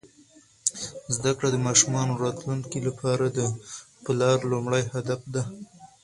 زده کړه د ماشومانو راتلونکي لپاره د پلار لومړنی هدف دی.